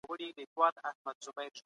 تاسې هم یو ښه عادت پیل کړئ.